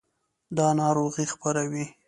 دا ناروغۍ خپروي.